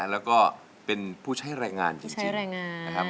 แล้วก็เป็นผู้ใช้รายงานจริง